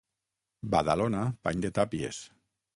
Badalona, pany de tàpies.